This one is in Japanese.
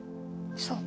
そう。